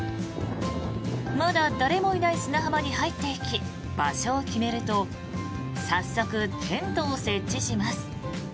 まだ誰もいない砂浜に入っていき場所を決めると早速テントを設置します。